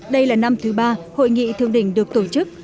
đây là năm thứ ba hội nghị thượng đỉnh được tổ chức